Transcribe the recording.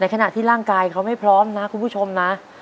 ขณะที่ร่างกายเขาไม่พร้อมนะคุณผู้ชมนะ